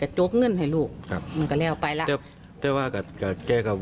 กระจกเงินให้คุณใช่ไหมครับมึงกะเลี้ยวไปล่ะแต่ว่ากระเกงอะวะเก่าหอย